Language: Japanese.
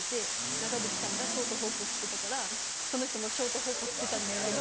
長渕さんがショートホープ吸ってたからその人もショートホープ吸ってたんですけど。